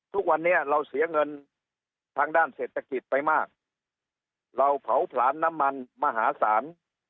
ทุกวันนี้เราเสียเงินทางด้านเศรษฐกิจไปมากเราเผาผลานน้ำมันมหาศาล